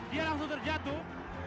dia langsung terjatuh